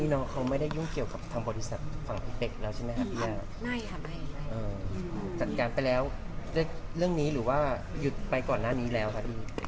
น้องเค้าไม่ได้ยุ่งเกี่ยวกับปฐาพัทธิสัตย์ฝั่งอินเป็คแล้วใช่ไหมครับโอ้